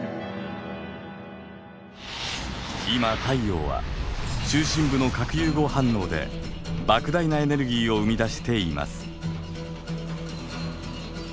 今太陽は中心部の核融合反応で莫大なエネルギーを生み出しています。